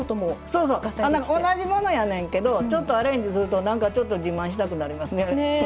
そうそう同じものやねんけどちょっとアレンジするとなんかちょっと自慢したくなりますね。